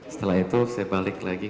setelah itu saya balik lagi